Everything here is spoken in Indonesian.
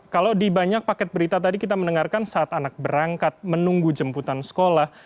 kalau di banyak paket berita tadi kita mendengarkan saat anak berangkat menunggu jemputan sekolah